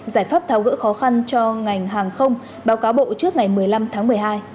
giải pháp tháo gỡ khó khăn cho ngành hàng không báo cáo bộ trước ngày một mươi năm tháng một mươi hai